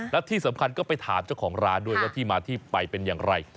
และที่สำคัญก็ไปถามเจ้าของร้านด้วยว่าที่มาที่ไปเป็นอย่างไร